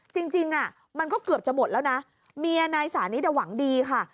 จริงมันก็เกือบจะหมดแล้วนะเมียนายสานิทหวังดีค่ะ